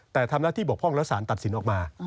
แต่ทำหน้าที่บกพร่องแล้วสารตัดสินออกมา